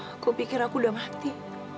aku pikir aku udah mati